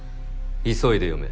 急いで読め！